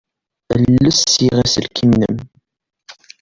Ales ssiɣ aselkim-nnem.